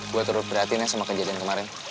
gue terus berhati hatinya sama kejadian kemarin